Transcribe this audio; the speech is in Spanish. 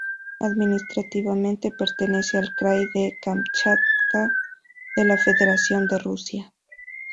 Administrativamente, pertenece al krai de Kamchatka, de la Federación de Rusia.